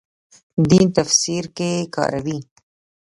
دین تفسیر کې کاروي.